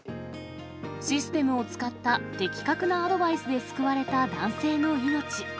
システムを使った的確なアドバイスで救われた男性の命。